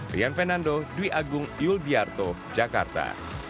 rian fernando dwi agung yul diyarto jakarta